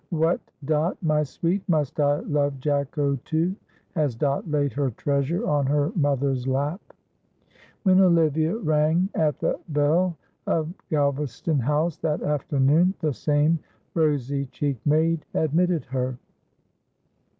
What, Dot, my sweet, must I love Jacko too?" as Dot laid her treasure on her mother's lap. When Olivia rang at the bell of Galvaston House that afternoon the same rosy cheeked maid admitted her.